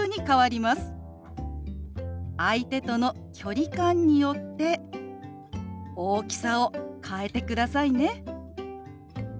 相手との距離感によって大きさを変えてくださいね。